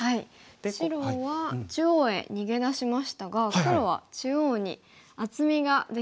白は中央へ逃げ出しましたが黒は中央に厚みができましたね。